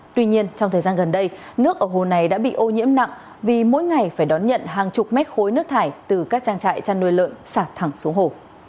tuy nhiên trong thời gian gần đây nước ở hồ này đã bị ô nhiễm nặng vì mỗi ngày phải đón nhận hàng chục mét khối nước thải từ các trang trại chăn nuôi lợn sạt thẳng xuống hồ